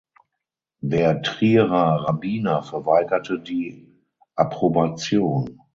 Der Trierer Rabbiner verweigerte die Approbation.